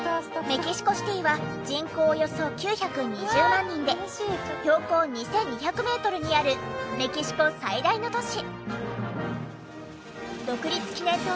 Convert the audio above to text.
メキシコシティは人口およそ９２０万人で標高２２００メートルにあるメキシコ最大の都市。